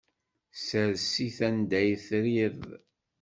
Ssers-it anda ay trid.